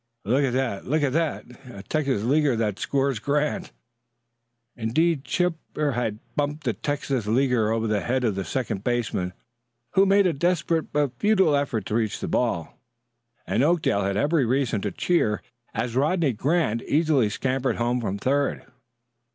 look a' that! Look a' that! A Texas leaguer! That scores Grant!" Indeed, Chipper had bumped a Texas leaguer over the head of the second baseman, who made a desperate but futile effort to reach the ball; and Oakdale had every reason to cheer as Rodney Grant easily scampered home from third.